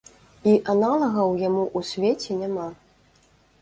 І аналагаў яму ў свеце няма.